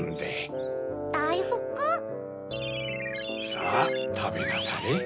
さぁたべなされ。